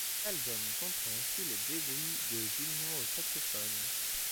L'album comprend aussi les débuts de Gilmour au saxophone.